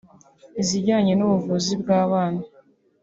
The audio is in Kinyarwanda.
izijyanye n’ubuvuzi bw’abana